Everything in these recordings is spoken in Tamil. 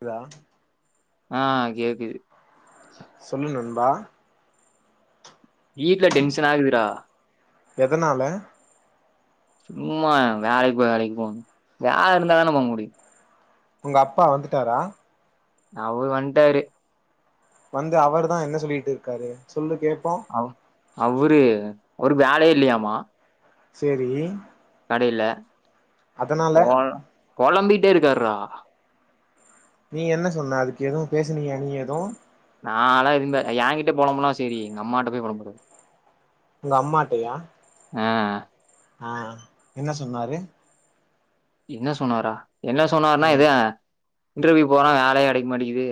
இதா ஆ கேக்குது சொல்லு நன் வா வீட்ல டென்ஷன் ஆகுதுரா எதனால சும்மா வேலைக்கு வேலைக்கு போ ன் வேல இருந்தா தானே போ முடியு உங்க அப்பா வந்துட்டாரா அவரூ வன்ட்டரு வந்து அவரு தா என்ன சொல்லிட்டு இருக்காரு சொல்லு கேப்போ அவ அவரு ஒரு வேலையே இல்லையாம்மா செரி கடைல ஒன் கொழம்பி எப்டி இருக்கர் ரா நீ என்ன சொன்ன அதுக்கு எதுவு பேசுனீயா நீ எதுவு நால்லா இருந்தே எங்கிட்டே பொலாம்ன சரி அம்மட்ட போய் பொலம் உங்க அம்மாட்டயா ஆ ஆ என்ன சொன்னாரு என்ன சொன்னாரா என்ன சொன்னருன்னா ஆ இது தா இன்டர்வியூ போனா வேலையே கெடைக்க மாட்டக்கிது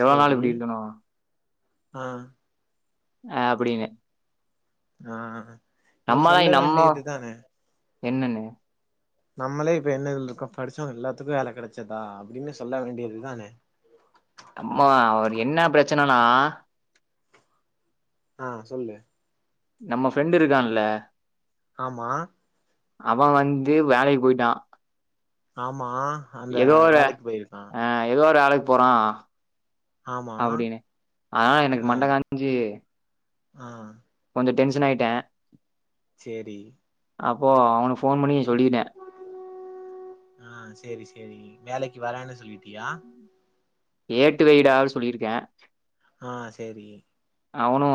எவ்வள நாள் சேரி இப்டி இருக்கணு ஆ ஆ அப்டின்னு ஆ நீ நம்மதான் சொல்ல நம்ம தான் வேண்டியது தானே நம்ம என்னன்னு நம்மளே இப்ப என்ன இருக்க படிச்சவங்க எல்லாத்துக்கு வேல கெடைச்சதா அப்டின்னு சொல்ல வேண்டியதுதானே அம்மா அவர் என்ன பிரச்சனைனா ஆ சொல்லு நம்ம ஃப்ரெண்டு இருக்கான்லே ஆம்மா அவ வந்து வேலைக்கு போயிட்டா ஆம் மா அந்த ஏதோ ஒரு வேலைக்கு போயிருக்கா அ ஏதோ ஒரு வேலைக்கு போறா ஆமா அப்பிடினு ஆனால எனக்கு ஆ மண்ட காஞ்சி ஆ டென்ஷன் ஆயிட்டே சேரி அப்போ அவனு ஃபோன் பண்ணி சொல்லிடே ஆ சேரி சேரி வேலைக்கு வரேன்னு சொல்லி ட்டியா ஏட்டு வெயிடா சொல்லிருக்கே ஆ சேரி அவனு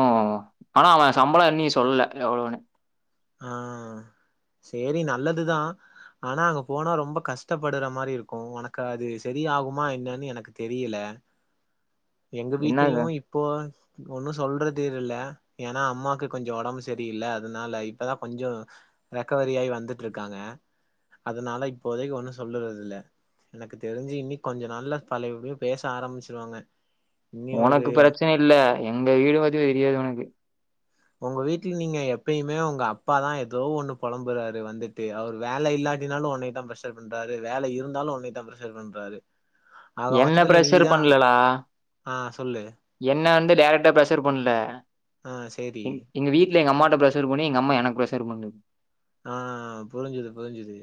ஆனா அவன் சம்பளோ இன்னி சொல்லல எவ்ளோன்னு ஆ சேரி நல்லதுதா ஆனா அங்க போனா ரொம்ப கஷ்டப்படுற மாரி இருக்கு உனக்கு அது செரியாகுமா என்னன்னு எனக்கு தெரியல எங்க வீட்லையு என்னது இப்போ ஒன்னும் சொல்றது இல்ல ஏன்னா அம்மாக்கு கொஞ்சோ ஒடம்பு சரியில்ல அதனால இப்பதா கொஞ்சோ ரெக்கவரி ஆயி வந்துட்டுருக்காங்க அதனால இப்போதைக்கு ஒண்ணு சொல்லுறது இல்ல எனக்கு தெரிஞ்சு இன்னி கொஞ்ச நாள்ல பழைய படி பேச ஆரம்பிச்சிருவாங்க இன்னி ஒரு ஒனக்கு பிரச்சன இல்ல எங்க வீடுவத்தி தெரியாது உனக்கு உங்க வீட்டுல நீங்க எப்பியுமே உங்க அப்பாதா எதோ ஒண்ணு பொழம்புறாரு வந்துட்டு அவர் வேல இல்லாட்டினாலு உனையதா ப்ரெஷர் பண்றாரு வேல இருந்தாலு உனையதா ப்ரெஷர் பண்றாரு ஆக என்ன மொத்தத்துல ப்ரெஷர் நீதா பண்ணலலா ஆ சொல்லு என்ன வந்து டேரட்டா ப்ரெஷர் பண்ணல ஆ சேரி எங் எங்க வீட்ல எங்க அம்மா ட்ட ப்ரெஷர் பண்ணி எங்க அம்மா எனக்கு ப்ரெஷர் பண்டு ஆ புரிஞ்சிது புரிஞ்சிது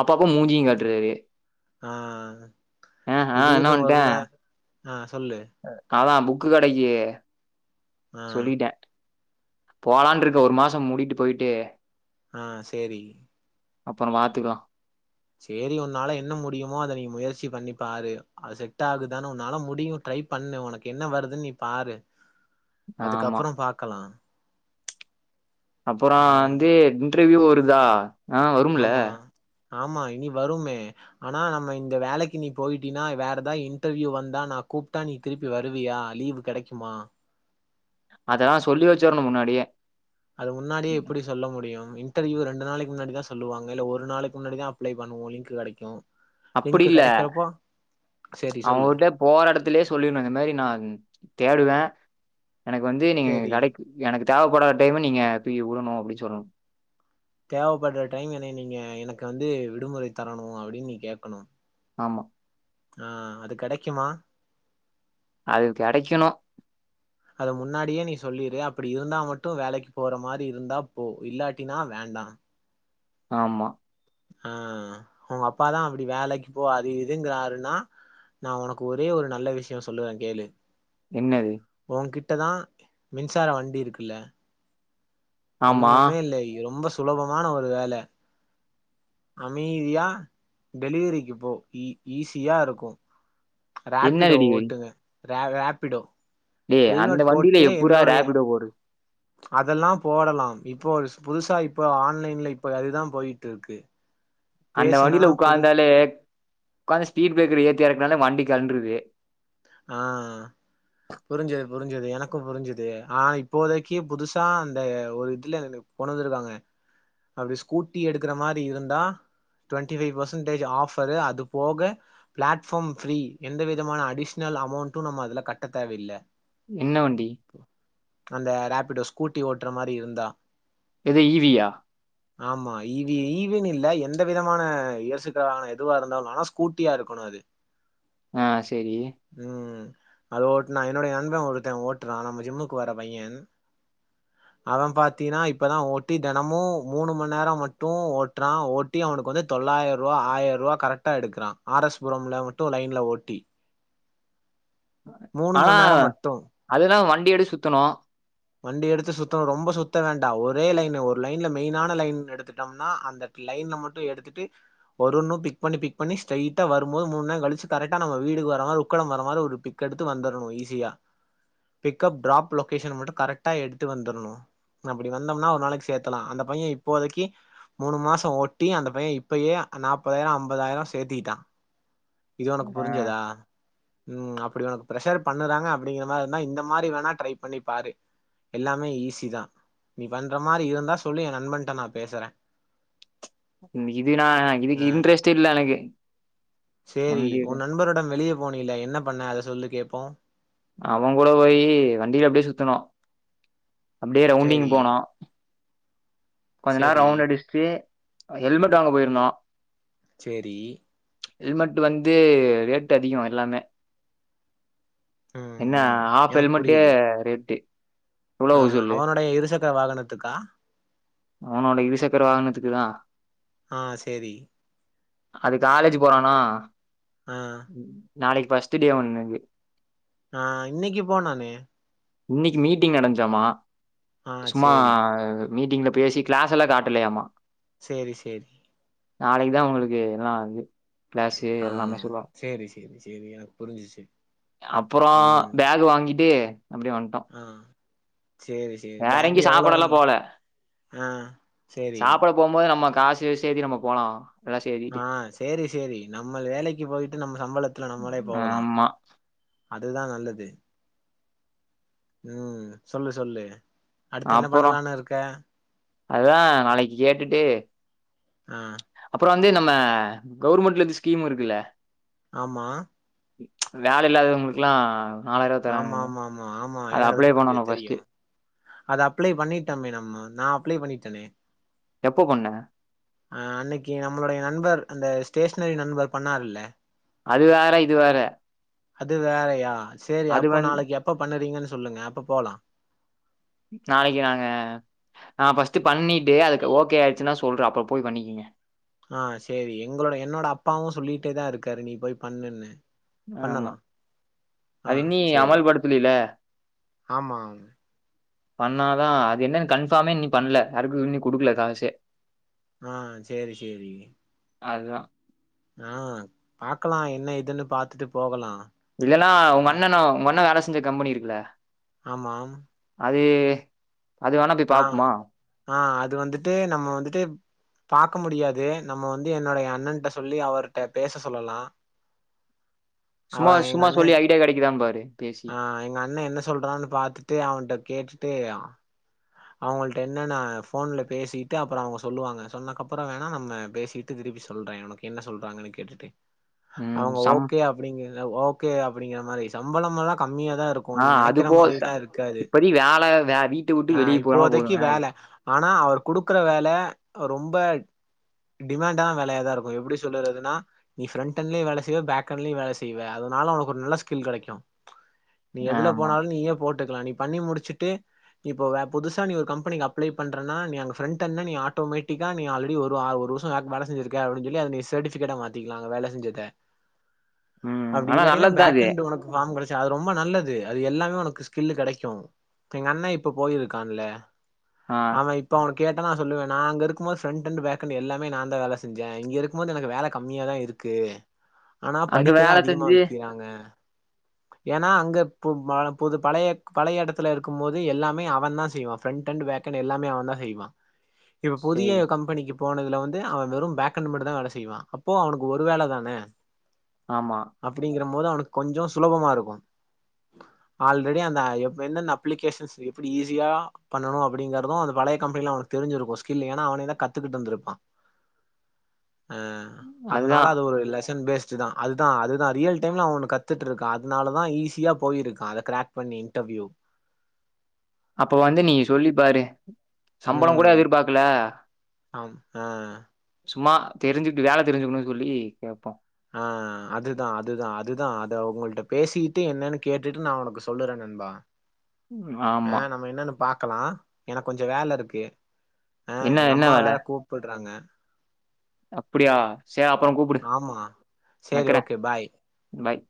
அப்பப்ப மூஞ்சியு காட்டுறாரு ஆ ஆ ஆ என்ன திடீர்னு ஒரு பண்ட்டே நே ஆ சொல்லு நாதா புக்கு கடைக்கு ஆ சொல்லிட்டே போலான்ட்டுருக்க ஒரு மாசோ மூடிட்டு போயிட்டு ஆ சேரி அப்புறோ வாத்துக்கலா சேரி உன்னால என்ன முடியுமோ அத நீ முயற்சி பண்ணி பாரு அது செட் ஆகுதான் உன்னால முடியு ட்ரை பண்ணு உனக்கு என்ன வருதுன் நீ பாரு ஆமா அதுக்கப்புறோ பாக்கலா ஆ அப்பறோந்து இன்ட் இதே ஊருதான் ஆ வரும்முல ஆமா ஆமா இனி வருமே ஆனா நம்ம இந்த வேலைக்கு நீ போய்டீனா வேற ஏதாவது இன்டர்வியூ வந்தா நான் கூப்பிட்டா நீ திருப்பி வருவியா லீவு் கெடைக்குமா அதெல்லாம் சொல்லி வச்சருணும் முன்னாடியே அது முன்னாடியே எப்படி சொல்ல முடியும் இன்டர்வியூ ரெண்டு நாளைக்கு முன்னாடி தான் சொல்லுவாங்க இல்ல ஒரு நாளைக்கு முன்னாடி தான் அப்ளை பண்ணுவோம் லிங்க் கெடைக்கும் அப்படி இல்ல சேரி சொல்லு அவங்ககிட்ட போற இடத்துலேயே சொல்லிடணும் இந்த மாதிரி நான் தேடுவேன் எனக்கு வந்து நீங்க சேரி கடைக்கு எனக்கு தேவைப்படற டைம்ம நீங்க பி ஏ கூட நோ அப்படின்னு சொல்றாங்க தேவைப்படுற டைம் என்னைய நீங்க எனக்கு வந்து விடுமுறை தரணும் அப்படின்னு நீங்க கேக்கணும் ஆமா ஆ அது கெடைக்குமா அது கெடைக்கணும் அத முன்னாடியே நீ சொல்லரு அப்படி இருந்தா மட்டும் வேலைக்கு போற மாதிரி இருந்தா போ இல்லாட்டினா வேண்டா ஆமா ஆ உங்க அப்பாதான் அப்படி வேலைக்கு போ அது இதுங்கறாருன்னா நான் உனக்கு ஒரே ஒரு நல்ல விஷயம் சொல்லுவேன் கேளு என்னது ஒன் கிட்டதான் மின்சார வண்டி இருக்குல்ல ஆமா ஒன்னுமே இல்லை ரொம்ப சுலபமான ஒரு வேலை அமைதியா டெலிவரிக்கு போ ஈஸியா இருக்கும் ராப்பிடோ என்னதுடி ஓட்டுங்க ராப்பிடோ ஏய் அந்த வண்டியில ஏப்ரிடா ரேபிடோ போடு அதெல்லாம் போடலாம் இப்போ புதுசா இப்ப ஆன்லைன்ல இப்ப அதுதான் போயிட்டு இருக்கு அந்த பேசுனா வண்டியில புது உட்கார்ந்தாலே அதும் ஸ்பீட் பிரேக்கர் ஏத்திறக்குனால வண்டி கழண்டுறது ஆ புரிஞ்சது புரிஞ்சது எனக்கும் புரிஞ்சுது ஆனா இப்போதைக்கு புதுசா அந்த ஒரு இதுல கொண்டு வந்துருக்காங்க அப்படி ஸ்கூட்டி எடுக்குற மாரி இருந்தா டவண்டிபைவ் பர்சென்டேஜ் ஆஃபர் அது போக பிளாட்பார்ம் பிரீ எந்த விதமான அடிஷ் னல் அமௌண்ட்டும் நம்ம அதுல கட்ட தேவையில்ல என்ன வண்டி அந்த ரேபிடோ ஸ்கூட்டி ஓட்டுற மாரி இருந்தா இது ஈவியா ஆமா ஈவி ஈவின்னு இல்ல எந்த விதமான இயசுக்கான எதுவா இருந்தாலும் ஆனா ஸ்கூட்டியா இருக்கணும் அது ஆ செரி ம் அது ஓட்டுனா என்னுடைய நண்பன் ஒருத்தன் ஓட்டுறா நம்ம ஜிம்முக்கு வர பையன் அவ பாத்தீன்னா இப்பதா ஓட்டி தெனமு மூணு மணி நேரம் மட்டு ஓட்டுறா ஓட்டி அவனுக்கு வந்து தொள்ளாயிர ரூபா ஆயிர ரூபா கரெக்டா எடுக்கிறா ஆரஸ்புரம்ல மட்டு லைன்ல ஓட்டி மூணு ஆனா மண் நேரோ மட்டு அதுதா வண் டியெடு சுத்தனு வண்டி எடுத்து சுத்தனு ரொம்ப சுத்த வேண்டா ஒரே லைனு ஒரு லைன்ல மெயினான லைன் எடுத்துட்டோம்னா அந்த லைன்ல மட்டு எடுத்துட்டு ஒருன்னு பிக் பண்ணி பிக் பண்ணி ஸ்டைட்டா வரும்போது மூணு நேரம் கழிச்சி கரெட்கா நம்ம வீடுக்கு வர மாரி உக்கடம் வர மாரி ஒரு பிக் எடுத்து வந்துரணு ஈஸியா பிக்கப் ட்ராப் லொகேஷன் மட்டு கரெட்டா எடுத்து வந்துரணு அப்டி வந்தோம்னா ஒரு நாளைக்கு சேத்தலா அந்த பைய இப்போதைக்கு மூணு மாசம் ஓட்டி அந்த பைய இப்பயே நாப்பதாயிர ஐம்பதாயிர சேத்திட்டா இது உனக்கு ஆ புரிஞ்சதா உம் அப் இப்டி உக்கு ப்ரஷர் பண்ணுறாங்கப் படிங்கிற மாதிர இருந்த இந்த மாரி வேணா ட்ரை பண்ணி பார் எல்லாமே ஈஸி தா நீ பண்ற மாரி இருந்தா சொல்லு எ நண்பன்ட்ட நா பேசுறே இன்னைக்கு இது நா ஆ இதுக்கு இன்டரெஸ்ட் இல்ல எனக்கு சேரி வண்டி எடு ஒ நண்பருடன் வெளிய போனில என்ன பண்ண அத சொல்லு கேப்போ அவ கூட போயி வண்டில அப்டியே சுத்துனோ அப்டியே ரவுண்டிங் சேரி போனோ கொஞ்ச நேர சேரி ரவுண்டு அடிச்சுட்டு ஹெல்மெட் வாங்க போயிருந்தோ செரி ஹெல்மெட் வந்து ரேட்டு அதிக எல்லாமே ம் என்ன ம் ஹாஃப் எனக்கு ஹெல்மட்டே புரியுது ரேட்டு எவ்ளோ ஆ ஆவு சொல்லு? அவனுடைய இருசக்கர வாகனத்துக்கா அவனோட இருசக்கர வாகனத்துக்குதா ஆ சேரி அது காலேஜ் போறோனோ அ நாளைக்கு ஃபஸ்ட் டே ஒண்ணுது ஆ இன்னைக்கு போனோனே இன்னைக்கு மீட்டிங் நடஞ்சாமா ஆ சும்மா சேரி அது மீட்டிங்ல பேசி கிளாஸ் எல்லா காட்டலையாமா சேரி சேரி நாளைக்குதா உங்களுக்கு எல்லாம் வந்து பிளாசு ஆ எல்லாமே சொல்லுவாங் சேரி சேரி சேரி எனக்கு புரிஞ்சிச்சு அப்பறம் ம் பேகு வாங்கிட்டு அப்டியே வந்ட்டோ ஆ சேரி சேரி வேற பேக் எங்கயு எவ்ளோ சாப்படலா வந் போல ஆ சேரி சாப்பட போம்போது நம்ம காசு சேத்தி நம்ம போலா எல்லா சேத்திட்டு ஆ சேரி சேரி நம்ம வேலைக்கு போயிட்டு நம்ம சம்பளத்ல நம்மளே போகலா ஆமா அதுதா நல்லது உம் சொல்லு சொல்லு அடுத்து என்ன அப்பறோ பண்ணலான்னு இருக்க அதா நாளைக்கு கேட்டுட்டு ஆ அப்றோ வந்து நம்ம கவுர்மெண்ட்லேந்து ஸ்கீம் இருக்குல்ல ஆமா வேல இல்லாதவுங்களுக்ல்லா ஆமா ஆமா ஆமா ஆமா என அது புரிஞ்சது பண்ணணு தெரியு ஃபர்ஸ்ட்டு அத அப்ளே பண்ணிட்டோமே நம்ம நா அப்ளே பண்ணிடேன். ஏலே எப்போ பண்ண அ அன்னைக்கு நம்மளுடைய நண்பர் அந்த ஸ்டேஷனரி நண்பர் பண்ணாருல்ல அது வேற இது வேற அது வேறயா சேரி அது அப்போ வந் நாளைக்கு எப்ப பண்ணுறீங்கனு சொல்லுங்க அப்ப போலா நாளைக்கு நாங்க நா ஃபஸ்டு பண்ணிட்டு அதுக்கு ஓகே ஆயிடுச்சுன்னா சொல்றே அப்றோ போய் பண்ணிக்கீங்க ஆ சேரி எங்களோட என்னோட அப்பாவு சொல்லிட்டே தா இருக்காரு நீ போய் பண்ணுன்னு ஆமா பண்ணலா ஆ அது இன்னி சேரி அமல்படுத்தலேல ஆமா பண்ணாதா அது என்னன்னு கண்பாமே இன்னு பண்ணல அதுக்கு இன்னு குடுக்கல காசே ஆ சேரி சேரி அதுதா ஆ பாக்கலா என்ன இதுன்னு பாத்துட்டு போகலா இல்லன்னா உங்க அ அண்ணணு உங்கண்ணே வேல சஞ்ச கம்பெனி இருக்குல ஆமா அதே ஆ ஆ அது வந்துட்டு நம்ம வந்துட்டு பாக்க முடியாது ஏ நம்ம வந்து என்னுடைய அண்ணன்ட்ட சொல்லி அவர்ட்ட பேச சொல்லலா அவ சும்மா எங்க சும்மா அண்ணே சொல்லி ஐடியா கெடைக்குதா பாரு பேசி. ஆ எங்க அண்ண என்ன சொல்றான்னு பாத்துட்டு அவன்ட்ட கேட்டு தே அவுங்கள்ட என்னன்னா போன்ல பேசிட்டு அப்றோ அவுங்க சொல்லுவாங்க சொன்னக்கப்றோ வேணா நம்ம பேசிட்டு திருப்பி சொல்றே உனக்கு என்ன சொல்றாங்கன்னு கேட்டுட்டு ம். அவங்க சம் ஓகே அப்டிங்கத ஓகே அப்டிங்கர மாரி சம்பளம்மலா கம் ஆ அதுபோது சார் இப்போதைக் வேல வீட்ட விட் ஆ இப்போதைக்கு வேல ஆனா அவர் கைடுக்குற வேல அவ ரொம்ப டிமாண்டான வேலையா தா இருக்கு எப்டி சொல்றதுனா நீ பிரண்டன்ளயு வேலசெய்வ பேக்கெண்ட்ளயு வேல செய்வ அதனால ஒனக் ஒரு நல்ல ஸ்கில் கெடைக்கு நீ எதுல ஆமா. போனாலு நீயே போட் டுக்கலா நீ பண்ணி முடிச்சுட்டு இப்போ நீ புதுசா ஒரு கம்பெனிக்கு அப்ளை பண்றேனா நீ அங்க ஃப்ரண்டென்ட்ல நீ ஆட்டோமேட்டிக்கா நீ ஆல்ரெடி வருவ ஆ ஒரு வருஷோக் வேல செஞ்சிருக்க அப்டினு சொல்லி அத நீ செர்டிஃபிக்கேட்டா மாத்திக்கலா அங்க வேல செஞ்சத ம். அப்டி ஆனா இல்லாட்டினா நல்லது தான் அது. பேக்ண்ட் உனக்கு பார்ம் கழிச் அது ரொம்ப நல்லது அது எல்லாமே உனக்கு ஸ்கில்லு கெடைக்கு எங்க அண்ணா இப்ப இப்ப போயிருக்கான்ல ஆ. ஆமா இப்ப அவனுக் கேட்டா நா சொல்லுவே நா அங்க இருக்கும்போது ஃபரண்ட் எண்ட் பேக் எண்ட் எல்லாமே நாந்தா வேல செஞ்சே இங்க இருக்கும்போது எனக்கு வேல கம்மியா தா இருக்கு ஆனா அங்க படிக்கதா வேல அதிகமா செஞ்சு வக்கிறாங்க ஏன்னா அங்க பொது பழைய பழைய எடத்துல இருக்கும்போது எல்லாம் போமே அவ தா செய்வா ஃபிரண்ட் எண்ட் பேக் எண்ட் எல்லாமே அவ தா செய்வா இப்ப புதிய சரி. கம்பெனிக்கு போனதுல வந்து அவ வெறு பேக்கண்டு மட் டுதா வேல செய்வா அப்போ அவனுக்கு ஒரு வேல தானே ஆமா அப்டிங்கிற போது அவனுக்கு கொஞ்சோ சுலபமா இருக்கு ஆல்ரெடி அந்த எந்தெந்த அப்ளிகேஷன்ஸ் இப்டி ஈஸியா பண்ணனு அப்படிங்கறது அந்த பழைய கம்பெனியில அவனுக்கு தெரிஞ்சிருக்கு ஸ்கில் ஏன்னா அவனே தா கத்துக்கிட்ருந்திருப்பா அ அதனால அதுதான். அது ஒரு லெஸ ரிடன் பேஸ்டுதா அதுதா அதுதா ரியல் டைம்ல அவ ஒன்னு கத்துட்ருக்கா அதனாலதா ஈஸியா போயிருக்கா அத கிராக் பண்ணி இன்டர்வியூ அப்ப வந்து நீ சொல்லி பாரு சம்பளொ கூட ம் எதிர்பாக்கல ஆம் ஆ சும்மா தெரிஞ்சுட்டு வேல தெரிஞ்சுக்கணு சொல்லி கேப்போ ஆ அதுதா அதுதா அதுதா அத உங்கள்ட்ட பேசிட்டு என்னன்னு கேட்டுட்டு நா உனக்கு சொல்லுறே நண்பா ம். ஆ ஆமா. நம்ம என்னன்னு பா க்கலா எனக்கு கொஞ்சே வேல இருக்கு அ என்ன எங்க என்ன அம்மா வேற கூப்பிட்றாங்க அப்படியா சே அப்புறோ கூப்புடு ஆமா சேரி வைக்கிறே ஓகே பாய் பாய்